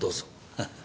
ハハハ。